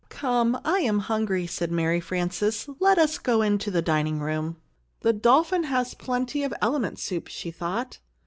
"Come, I am hungry!" said Mary Frances. "Let us go into the dining room." "The dolphin has plenty of element soup," she thought.